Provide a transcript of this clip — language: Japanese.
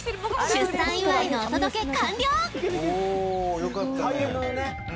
出産祝いのお届け完了！